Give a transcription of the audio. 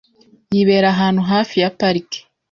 Yibera ahantu hafi ya parike .